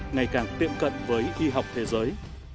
ngày càng tiệm cận với y học thế giới